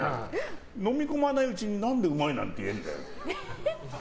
飲み込まないうちに、何でうまいなんて言えるんだよ。